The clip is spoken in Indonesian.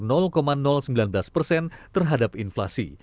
berdasarkan hitungan badan kebijakan fiskal kementerian keuangan